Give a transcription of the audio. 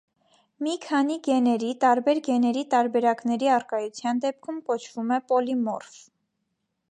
Մի քանի գեների տարբեր գեների տարբերակների առկայության դեպքում կոչվում է պոլիմորֆ։